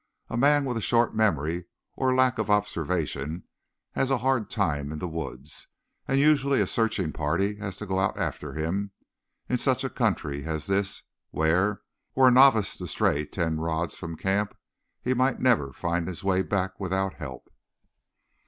A man with a short memory or lack of observation has a hard time in the woods, and usually a searching party has to go out after him in such a country as this where, were a novice to stray ten rods from camp, he might never find his way back without help.